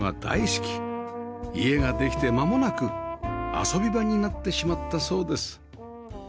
家ができてまもなく遊び場になってしまったそうです